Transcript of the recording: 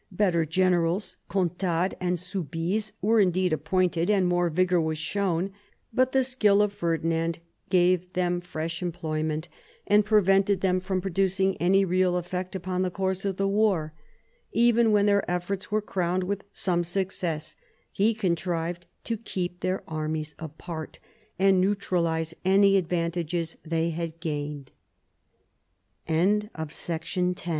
Better generals, Contades and Soubise, were indeed appointed and more vigour was shown. But the skill of Ferdinand gave them full employment, and prevented them from producing any real effect upon the course of the war; even when their efforts were crowned with some success, he contrived to keep their armies apart and neutralise any ad